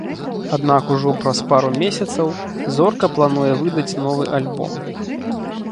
Аднак ужо праз пару месяцаў зорка плануе выдаць новы альбом.